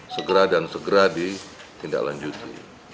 segera dan segera ditindaklanjuti